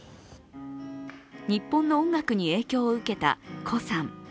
日本の音楽に影響を受けた胡さん。